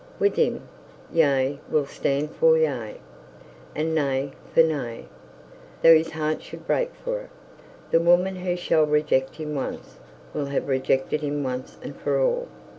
'With him, yea will stand for yea, and nay for nay. Though his heart should break for it, the woman who shall reject him once, will have rejected him once and for all.